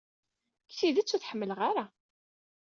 Deg tidet, ur tḥemmelaɣ-ara.